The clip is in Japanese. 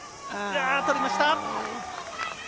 とりました。